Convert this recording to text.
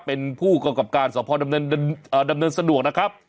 เป็นผู้กำกับการสพดำเนินสะดวกนะครับ